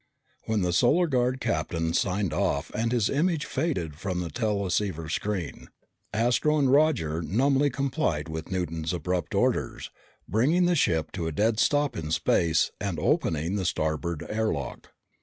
When the Solar Guard captain signed off and his image faded from the teleceiver screen, Astro and Roger numbly complied with Newton's abrupt orders, bringing the ship to a dead stop in space and opening the starboard air lock.